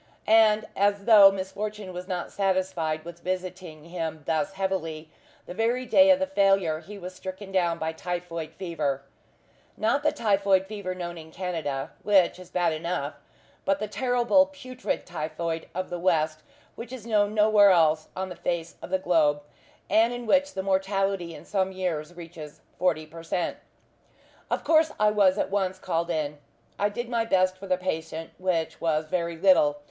And as though misfortune was not satisfied with visiting him thus heavily, the very day of the failure he was stricken down by typhoid fever: not the typhoid fever known in Canada which is bad enough but the terrible putrid typhoid of the west, which is known nowhere else on the face of the globe, and in which the mortality in some years reaches forty per cent. Of course I was at once called in. I did my best for the patient, which was very little.